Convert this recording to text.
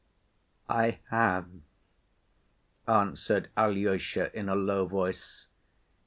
"I have," answered Alyosha in a low voice.